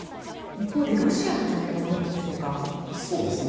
一方でロシアの状況はどうなんでしょうか。